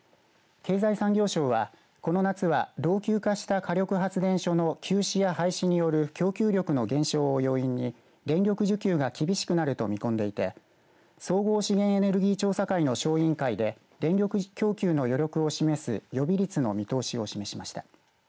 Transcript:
経済産業省は、この夏は老朽化した火力発電所の休止や廃止による供給力の減少の要因に電力需給が厳しくなると見込んでいて総合資源エネルギー調査会の小委員会で電力供給の余力を示す予備率の見通しを示しました。